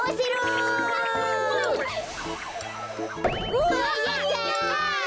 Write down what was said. うわやった。